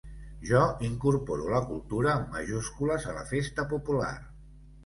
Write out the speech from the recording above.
Jo incorporo la cultura amb majúscules a la festa popular.